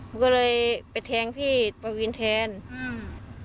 หนูก็เลยไปแทงพี่ปวินแทนอืม